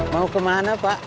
mau kemana pak